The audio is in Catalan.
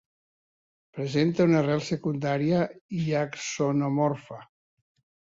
Presenta una rel secundària i axonomorfa.